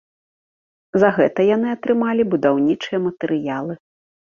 За гэта яны атрымалі будаўнічыя матэрыялы.